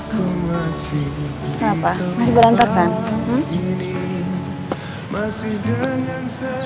kenapa masih berantakan